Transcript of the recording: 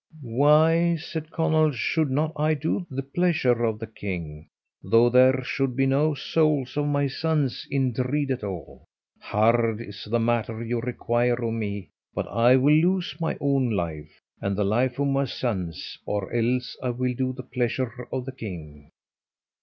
"Why," said Conall, "should not I do the pleasure of the king, though there should be no souls of my sons in dread at all. Hard is the matter you require of me, but I will lose my own life, and the life of my sons, or else I will do the pleasure of the king."